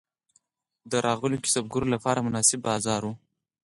د راغلیو کسبګرو لپاره مناسب بازار و.